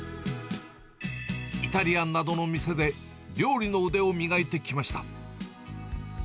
イタリアンなどの店で料理の腕を磨いてきました。